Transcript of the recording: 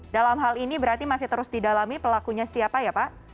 dalam hal ini berarti masih terus didalami pelakunya siapa ya pak